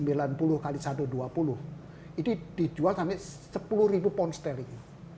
ini dijual sampai sepuluh ribu pound sterling